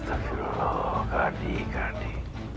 astagfirullah kardi kardi